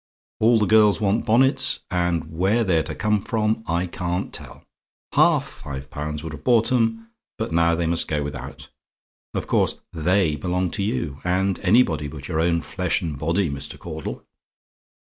"All the girls want bonnets, and where they're to come from I can't tell. Half five pounds would have bought 'em but now they must go without. Of course, THEY belong to you: and anybody but your own flesh and body, Mr. Caudle!